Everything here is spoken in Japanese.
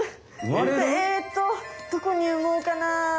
えっとどこに産もうかなあ？